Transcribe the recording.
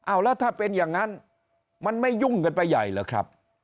เอาแล้วถ้าเป็นอย่างนั้นมันไม่ยุ่งกันไปใหญ่เหรอครับ